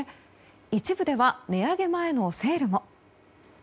一部では値上げ前のセールも。